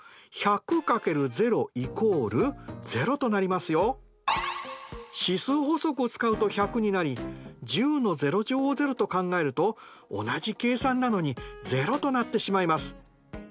ですから指数法則を使うと１００になり１０を０と考えると同じ計算なのに０となってしまいます。